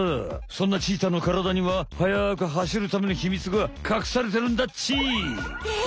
そんなチーターのからだには速く走るための秘密がかくされてるんだっち。え！？